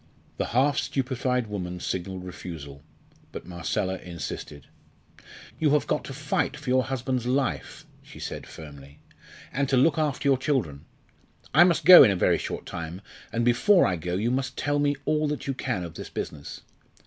The half stupefied woman signed refusal. But Marcella insisted. "You have got to fight for your husband's life," she said firmly, "and to look after your children. I must go in a very short time, and before I go you must tell me all that you can of this business.